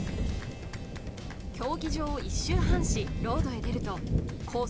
競技場を１周半しロードへ出ると、コース